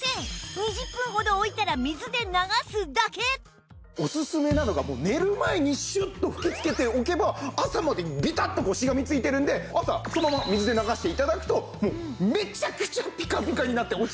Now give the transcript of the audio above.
２０分ほど置いたらオススメなのが寝る前にシュッと吹きつけておけば朝までビタッとこうしがみついてるんで朝そのまま水で流して頂くともうめちゃくちゃピカピカになって落ちてくれてる。